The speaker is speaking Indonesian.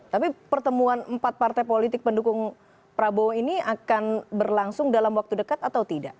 tapi pertemuan empat partai politik pendukung prabowo ini akan berlangsung dalam waktu dekat atau tidak